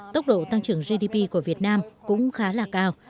tốc độ tăng trưởng gdp của việt nam cũng khá là cao